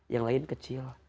yang lain kecil